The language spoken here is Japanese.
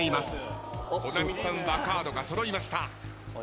保奈美さんはカードが揃いました。